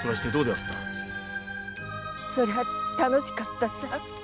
そりゃ楽しかったさ。